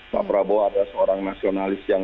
pak prabowo adalah seorang nasionalis yang